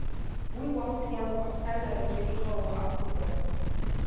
Уи уалс иамоуп аԥсҭазаараҿы иҟалауа ақәыӡбара.